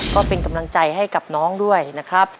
ก็เป็นกำลังใจให้กับน้องด้วยนะครับ